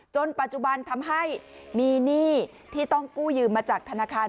จนปัจจุบันทำให้มีหนี้ที่ต้องกู้ยืมมาจากธนาคาร